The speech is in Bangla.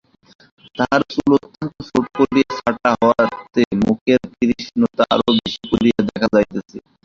তাহার চুল অত্যন্ত ছোটো করিয়া ছাঁটা হওয়াতে মুখের কৃশতা আরো বেশি করিয়া দেখা যাইতেছে।